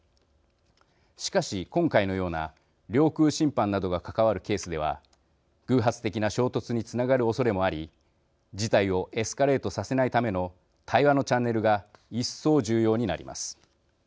しかし、今回のような領空侵犯などが関わるケースでは偶発的な衝突につながるおそれもあり、事態をエスカレートさせないための対話のチャンネルが一層、重要になります。